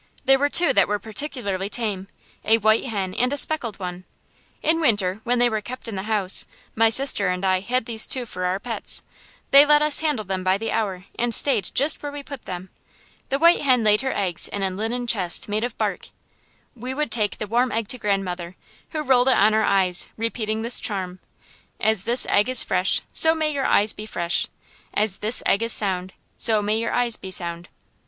There were two that were particularly tame, a white hen and a speckled one. In winter, when they were kept in the house, my sister and I had these two for our pets. They let us handle them by the hour, and stayed just where we put them. The white hen laid her eggs in a linen chest made of bark. We would take the warm egg to grandmother, who rolled it on our eyes, repeating this charm: "As this egg is fresh, so may your eyes be fresh. As this egg is sound, so may your eyes be sound."